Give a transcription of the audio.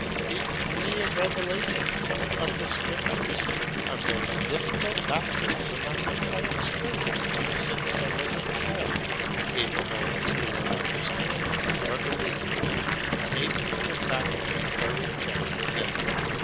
Speak to me of revelation, of the Scriptures, of those difficult doctrines among which I have strayed ever since I was a child, incapable either of understanding or believing them, unable to adopt or reject them."